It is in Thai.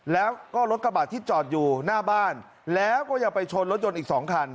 แล้วก็รถกระบะที่จอดอยู่หน้าบ้านแล้วก็ยังไปชนรถยนต์อีก๒คัน